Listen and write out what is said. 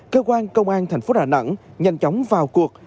cơ quan công an thành phố đà nẵng nhanh chóng vào cuộc